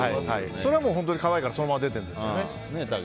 それは本当に可愛いからそのまま出ているんでしょうね。